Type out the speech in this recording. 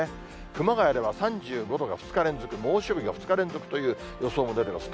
熊谷では３５度が２日連続、猛暑日が２日連続という予想も出ています。